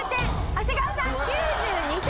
長谷川さん９２点。